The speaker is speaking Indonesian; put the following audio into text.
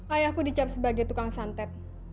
ayahku dicap sebagai tukang santet